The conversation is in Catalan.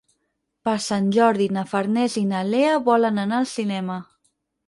Per Sant Jordi na Farners i na Lea volen anar al cinema.